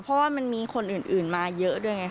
เพราะว่ามันมีคนอื่นมาเยอะด้วยไง